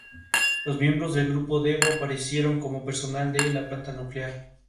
Los miembros del grupo Devo aparecieron como personal de la planta nuclear.